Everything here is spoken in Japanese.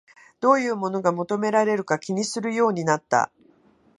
どういうものが求められるか気にするようになった